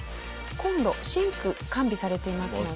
コンロシンク完備されていますので。